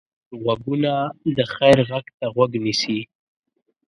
غوږونه د خیر غږ ته غوږ نیسي